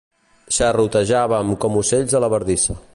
Xarrotejàvem com ocells a la verdissa.